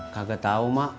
kagak tau mak